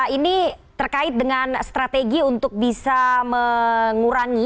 ini terkait dengan strategi untuk bisa mengurangi